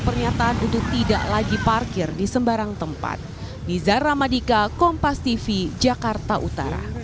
pernyataan untuk tidak lagi parkir di sembarang tempat